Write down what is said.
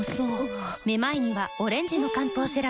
めまいにはオレンジの漢方セラピー